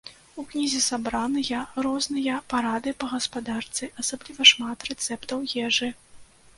У кнізе сабраныя розныя парады па гаспадарцы, асабліва шмат рэцэптаў ежы.